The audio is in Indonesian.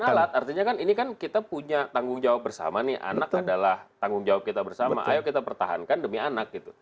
karena alat artinya kan ini kan kita punya tanggung jawab bersama nih anak adalah tanggung jawab kita bersama ayo kita pertahankan demi anak gitu